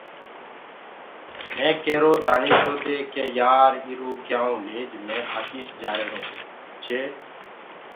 مي ڪيرو دآنيشو دي ڪي يآر ايٚرو ڪيآئونٚ ليج مي آپيس جآهرونٚ پڇي